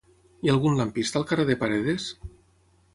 Hi ha algun lampista al carrer de Paredes?